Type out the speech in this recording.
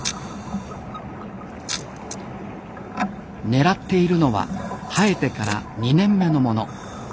狙っているのは生えてから２年目のもの。